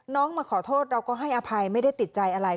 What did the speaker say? มาขอโทษเราก็ให้อภัยไม่ได้ติดใจอะไร